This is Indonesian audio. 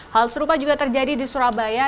hal serupa juga terjadi di surabaya